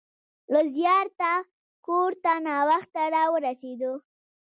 له زیارته کور ته ناوخته راورسېدو.